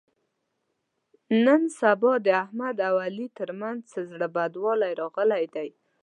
نن سبا د احمد او علي تر منځ څه زړه بدوالی راغلی دی.